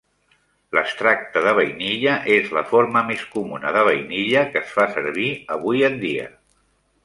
L'extracte de vainilla és la forma més comuna de vainilla que es fa servir avui en dia.